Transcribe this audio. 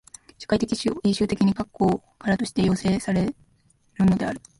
社会的因襲的に過去からとして要請せられるのである。